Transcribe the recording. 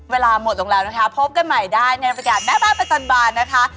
เวลาหมดลงแล้วนะคะพบกันใหม่ได้ในประกาศแม่บ้านประจำบานนะคะ